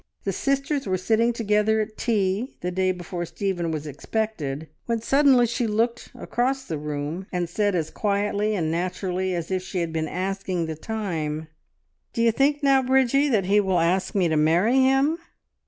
The sisters were sitting together at tea the day before Stephen was expected, when suddenly she looked across the room, and said as quietly and naturally as if she had been asking the time "Do ye think now, Bridgie, that he will ask me to marry him?"